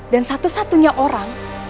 dan satu satunya orang